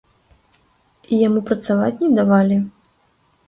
І яму працаваць не давалі?